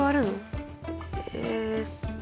えっと。